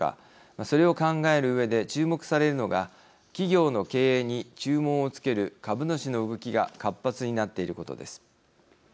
それを考えるうえで注目されるのが企業の経営に注文を付ける株主の動きが活発になっていることです。